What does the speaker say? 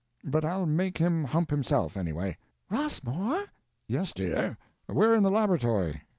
But I'll make him hump himself, anyway." "Rossmore!" "Yes, dear. We're in the laboratory.